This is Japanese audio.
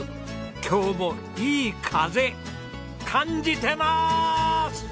今日もいい風感じてます！